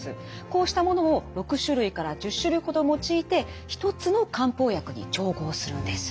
こうしたものを６種類から１０種類ほど用いて一つの漢方薬に調合するんです。